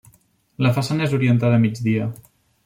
La façana és orientada a migdia.